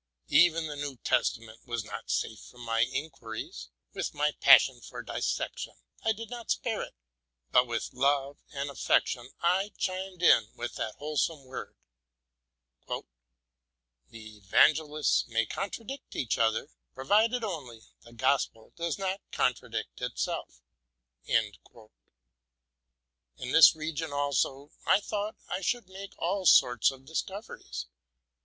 Even the New Testament was not safe from my inquiries ; with my passion for dissection, I did not spare it: but, with love and affection, I chimed in with that wholesome word, '''The evangelists may contradict each other, provided only the gospel does not contradict itself.'' In this region also, I thought I should make all sorts of discoveries.